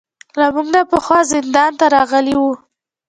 له موږ نه پخوا زندان ته راغلي وو.